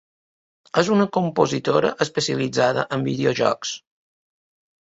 És una compositora especialitzada en videojocs.